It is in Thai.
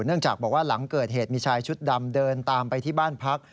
เนื่องจากบอกว่าหลังเกิดเหตุมีชายชุดดำเดินตามไปที่บ้านพัก